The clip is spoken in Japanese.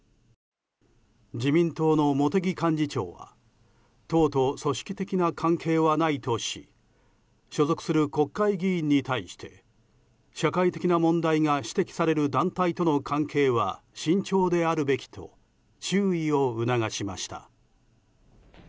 自民党の茂木幹事長は党と組織的な関係はないとし所属する国会議員に対して社会的な問題が指摘される団体との関係は慎重であるべきと注意を促しました。